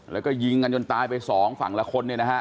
แล้วก็ยิงกันจนตายไปสองฝั่งละคนเนี่ยนะฮะ